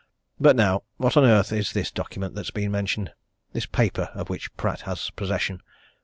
But now what on earth is this document that's been mentioned this paper of which Pratt has possession?